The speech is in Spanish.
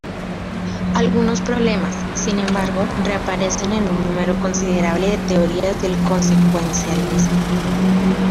Algunos problemas, sin embargo, reaparecen en un número considerable de teorías del consecuencialismo.